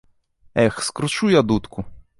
Эх, скручу я дудку!